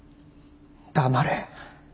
黙れ。